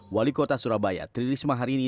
wali kota surabaya tririsma harini